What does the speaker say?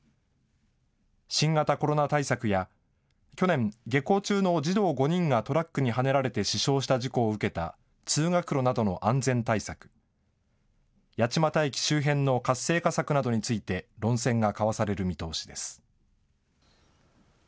新型コロナ対策や去年、下校中の児童５人がトラックにはねられて死傷した事故を受けた通学路などの安全対策、八街駅周辺の活性化策などについて論戦が交わされる見通しです。